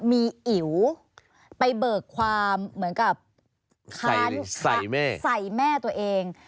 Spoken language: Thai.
มีอิ๋วไปเบิกความเหมือนกับค้านใส่แม่ตัวเอง